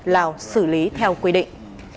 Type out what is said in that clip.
lào xử lý theo quy định